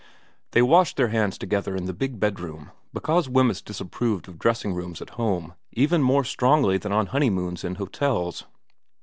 They washed their hands together in the big bedroom, because Wemyss disapproved of dressing rooms at home even more strongly than on honeymoons in hotels.